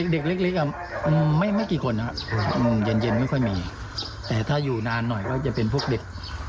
เด็กเล็กไม่กี่คนนะครับเย็นไม่ค่อยมีแต่ถ้าอยู่นานหน่อยก็จะเป็นพวกเด็ก